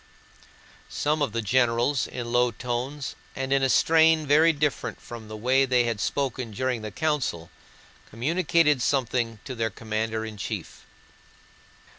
Some of the generals, in low tones and in a strain very different from the way they had spoken during the council, communicated something to their commander in chief.